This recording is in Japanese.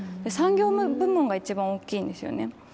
産業部門が一番大きいんですよね